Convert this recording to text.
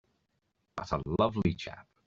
But a lovely chap!